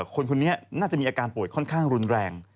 คนนี้น่าจะมีอาการป่วยค่อนข้างรุนแรง